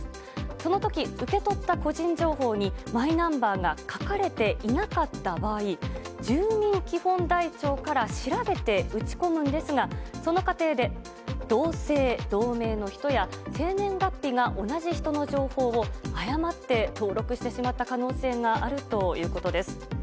その時、受け取った個人情報にマイナンバーが書かれていなかった場合住民基本台帳から調べて打ち込むんですがその過程で同姓同名の人や生年月日が同じ人の情報を誤って登録してしまった可能性があるということです。